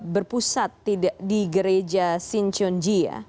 berpusat di gereja sinchyonji ya